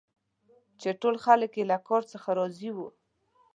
چي ټول خلک یې له کار څخه راضي وه.